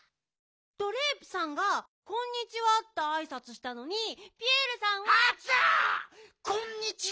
ドレープさんが「こんにちは」ってあいさつしたのにピエールさんは。あちゃ！